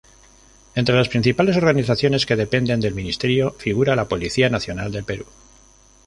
Entre las principales organizaciones que dependen del Ministerio figura la Policía Nacional del Perú.